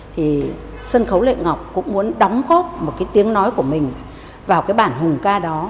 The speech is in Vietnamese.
thì sân khấu lệ ngọc cũng muốn đóng góp một cái tiếng nói của mình vào cái bản hùng ca đó